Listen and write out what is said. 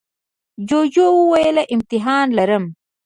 جوجو وویل امتحان لرم.